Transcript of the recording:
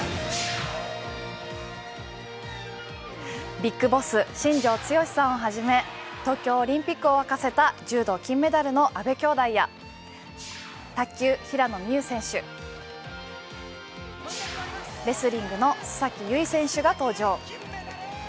ビッグボス、新庄剛志さんをはじめ東京オリンピックを沸かせた柔道金メダルの阿部兄妹や卓球・平野美宇選手、レスリングの須崎優衣選手が登場。